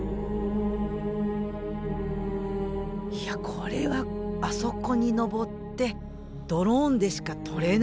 これはあそこに登ってドローンでしか撮れない映像だ。